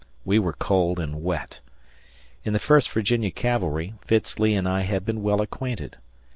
We were cold and wet. In the First Virginia Cavalry, Fitz Lee and I had been well acquainted.